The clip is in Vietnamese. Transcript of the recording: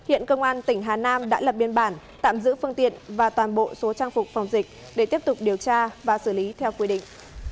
hiện công an tỉnh hà nam đã lập biên bản tạm giữ phương tiện và toàn bộ số trang phục phòng dịch để tiếp tục điều tra và xử lý theo quy định